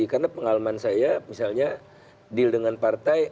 karena pengalaman saya misalnya deal dengan partai